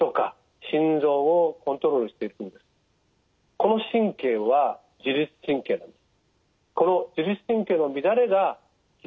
この神経は自律神経なんです。